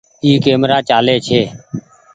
اي ڪيمرا چآلي ڇي